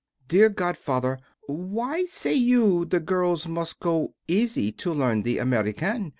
Dear godfather, why say you the girls must go easy to learn the American?